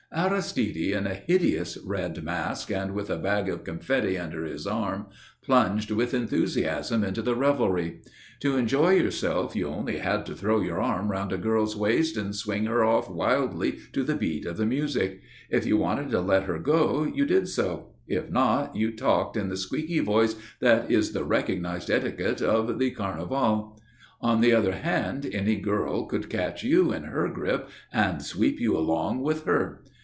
Aristide in a hideous red mask and with a bag of confetti under his arm, plunged with enthusiasm into the revelry. To enjoy yourself you only had to throw your arm round a girl's waist and swing her off wildly to the beat of the music. If you wanted to let her go you did so; if not, you talked in the squeaky voice that is the recognized etiquette of the carnival. On the other hand any girl could catch you in her grip and sweep you along with her.